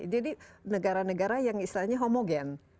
jadi negara negara yang istilahnya homogen